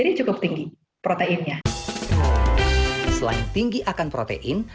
selain tinggi akan protein selain tinggi akan protein